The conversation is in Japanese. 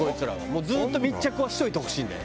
もうずっと密着はしておいてほしいんだよ。